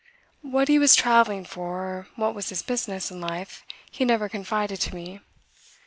What he was travelling for or what was his business in life he never confided to me.